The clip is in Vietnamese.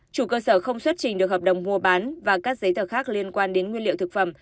chủ cơ sở không xuất trình được hợp đồng mua bán và các giấy tờ khác liên quan đến nguyên liệu thực phẩm